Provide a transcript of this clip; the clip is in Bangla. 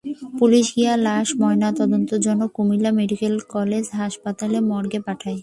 পুলিশ গিয়ে লাশ ময়নাতদন্তের জন্য কুমিল্লা মেডিকেল কলেজ হাসপাতালের মর্গে পাঠায়।